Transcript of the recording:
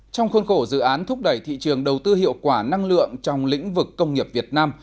trong khuôn khổ dự án thúc đẩy thị trường đầu tư hiệu quả năng lượng trong lĩnh vực công nghiệp việt nam